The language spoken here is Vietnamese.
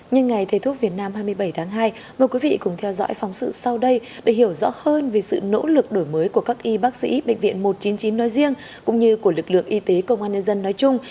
nhân ngày thầy thuốc việt nam hai mươi bảy tháng hai mời quý vị cùng theo dõi phóng sự sau đây để hiểu rõ hơn về sự nỗ lực đổi mới của các y bác sĩ bệnh viện một trăm chín mươi chín nói riêng cũng như của lực lượng y tế công an nhân dân nói chung